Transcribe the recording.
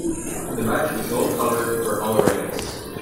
The badge is gold colored for all ranks.